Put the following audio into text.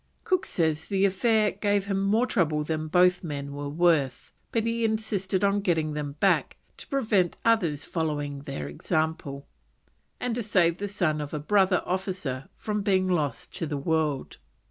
Cook says the affair gave him more trouble than both men were worth, but he insisted on getting them back to prevent others following their example, and "to save the son of a brother officer from being lost to the world."